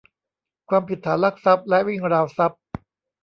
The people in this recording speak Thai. ความผิดฐานลักทรัพย์และวิ่งราวทรัพย์